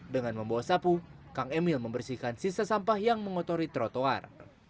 dengan membawa sapu kang emil membersihkan sisa sampah yang mengotori trotoar